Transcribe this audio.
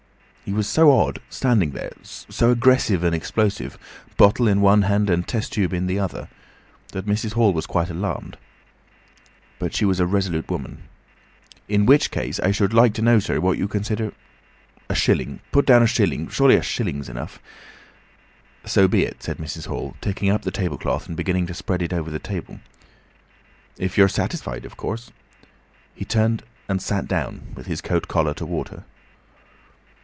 He was so odd, standing there, so aggressive and explosive, bottle in one hand and test tube in the other, that Mrs. Hall was quite alarmed. But she was a resolute woman. "In which case, I should like to know, sir, what you consider—" "A shilling—put down a shilling. Surely a shilling's enough?" "So be it," said Mrs. Hall, taking up the table cloth and beginning to spread it over the table. "If you're satisfied, of course—" He turned and sat down, with his coat collar toward her.